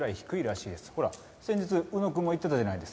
ほら先日浮野くんも言ってたじゃないですか。